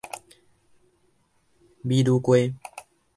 美女瓜